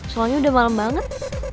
soalnya udah malem banget